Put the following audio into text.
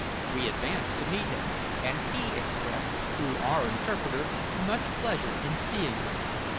We advanced to meet him, and he expressed, through our interpreter, much pleasure in seeing us.